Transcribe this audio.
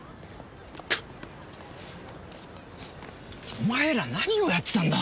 お前ら何をやってたんだ。